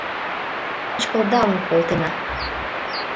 Кочкылдалын колтена!